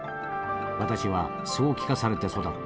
私はそう聞かされて育った。